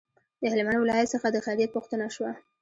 د هلمند ولایت څخه د خیریت پوښتنه شوه.